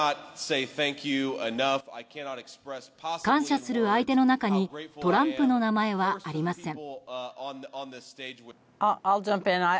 感謝する相手の中にトランプの名前はありません。